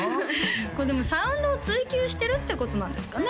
これでもサウンドを追求してるってことなんですかね？